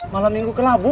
malam minggu kelabu